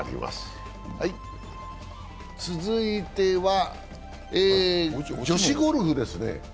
続いては女子ゴルフですね。